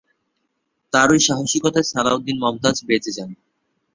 তার ওই সাহসিকতায় সালাহউদ্দিন মমতাজ বেঁচে যান।